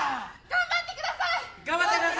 頑張ってください！